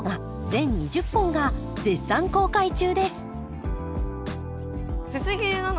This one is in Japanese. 全２０本が絶賛公開中です